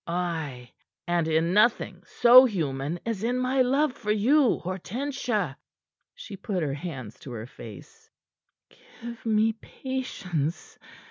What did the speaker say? "Ay and in nothing so human as in my love for you, Hortensia." She put her hands to her face. "Give me patience!"